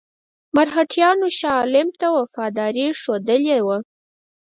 مرهټیانو شاه عالم ته وفاداري ښودلې وه.